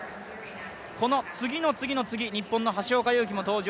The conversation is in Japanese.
この次の次の次、日本の橋岡優輝も登場